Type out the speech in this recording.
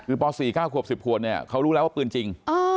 คือป๔๙ขวบ๑๐ขวบเนี่ยเขารู้แล้วว่าปืนจริง